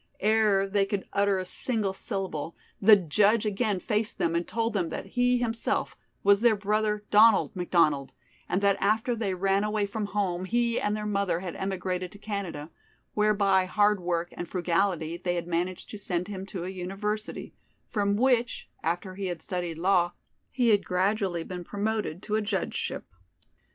Ere they could utter a single syllable the judge again faced them and told them that he himself, was their brother Donald McDonald, and that after they ran away from home he and their mother had emigrated to Canada, where by hard work and frugality they had managed to send him to a university, from which, after he had studied law, he had gradually been promoted to a judgeship.